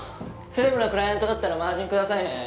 セレブなクライアントだったらマージンくださいね。